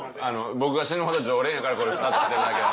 僕が死ぬほど常連やからこれ出していただけはる。